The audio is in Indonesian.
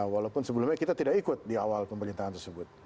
walaupun sebelumnya kita tidak ikut di awal pemerintahan tersebut